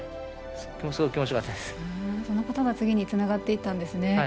そのことが次につながっていったんですね。